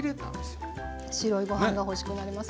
白いご飯が欲しくなります。